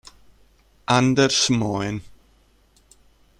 Anders Moen